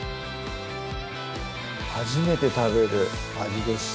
初めて食べる味でした